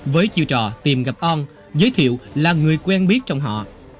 với chiêu trò tìm gặp on giới thiệu là người quen biết trong họ